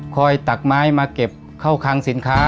ตักไม้มาเก็บเข้าคังสินค้า